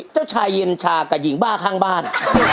เจ้าชายเย็นชากับหญิงบ้าข้างบ้าน